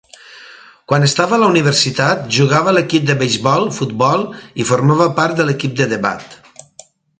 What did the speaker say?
Quan estava a la universitat, jugava a l'equip de beisbol, futbol i formava part de l'equip de debat.